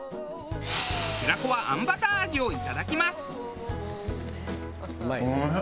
平子はあんバター味をいただきます。